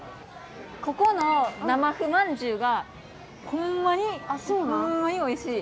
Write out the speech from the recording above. ここの生麩まんじゅうがほんまにほんまにおいしい！